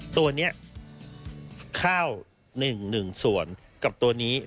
ตัวนี้ข้าว๑ส่วนกับตัวนี้